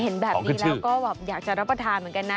เห็นแบบนี้แล้วก็แบบอยากจะรับประทานเหมือนกันนะ